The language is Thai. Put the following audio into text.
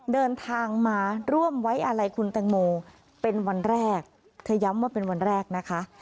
เดินทางมาร่วมไว้อาลัยคุณแตงโมเป็นวันแรกเธอย้ำว่าเป็นวันแรกนะคะ